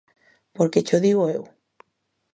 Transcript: Porque cho digo eu!